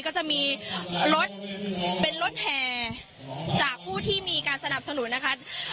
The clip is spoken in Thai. ก็จะมีรถเป็นรถแห่จากผู้ที่มีการสนับสนุนนะคะ